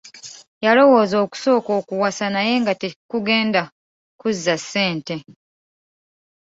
Yalowooza okusooka okuwasa naye nga tekugenda kuzza ssente.